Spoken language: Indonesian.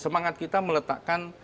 semangat kita meletakkan